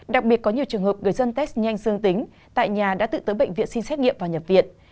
đặc biệt có nhiều trường hợp người dân test nhanh dương tính tại nhà đã tự tới bệnh viện xin xét nghiệm và nhập viện